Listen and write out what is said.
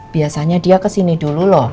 biasanya dia kesini dulu loh